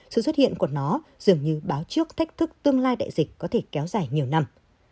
sự xuất hiện của nó dường như báo trước thách thức tương lai đại dịch có thể kéo dài nhiều năm